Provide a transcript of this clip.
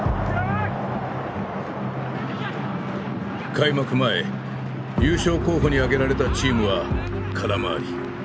開幕前優勝候補に挙げられたチームは空回り。